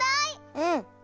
うん。